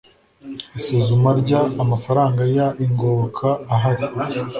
isuzuma ry amafaranga y ingoboka ahari